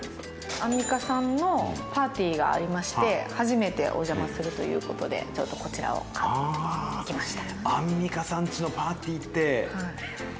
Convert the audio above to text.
アンミカさんのパーティーがありまして、初めてお邪魔するということで、ちょっとこちらを買っていきました。